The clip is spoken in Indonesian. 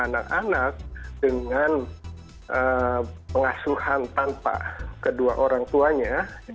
anak anak dengan pengasuhan tanpa kedua orang tuanya